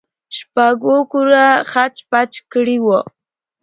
شپږ اوه كوره يې خچ پچ كړي وو.